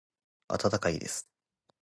温かいです。